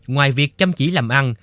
ngoài việc chăm chỉ làm ăn